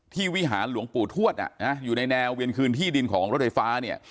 วิหารหลวงปู่ทวดอยู่ในแนวเวียนคืนที่ดินของรถไฟฟ้าเนี่ย